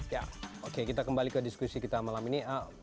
ya oke kita kembali ke diskusi kita malam ini